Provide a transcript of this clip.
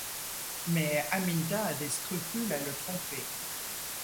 Mais Aminta a des scrupules à le tromper.